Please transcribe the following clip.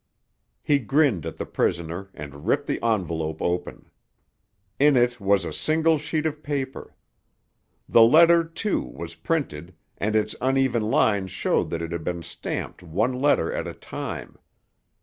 He grinned at the prisoner and ripped the envelope open. In it was a single sheet of paper. The letter, too, was printed, and its uneven lines showed that it had been stamped one letter at a time.